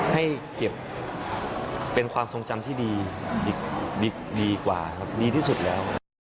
ให้เก็บเป็นความทรงจำที่ดีดีกว่าครับดีที่สุดแล้ว